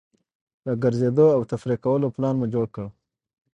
د ګرځېدو او تفریح کولو پلان مو جوړ کړ.